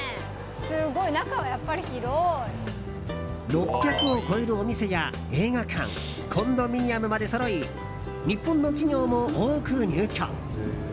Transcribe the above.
６００を超えるお店や映画館コンドミニアムまでそろい日本の企業も多く入居。